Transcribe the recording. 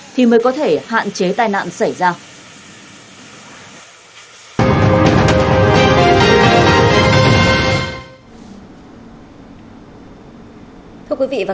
thì mới có thể hạn chế tai nạn xảy ra